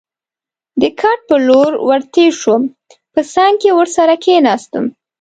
د کټ په لور ور تېر شوم، په څنګ کې ورسره کېناستم.